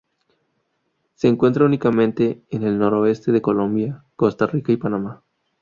Se encuentra únicamente en el noroeste de Colombia, Costa Rica y Panamá.